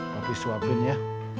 nanti suapin ya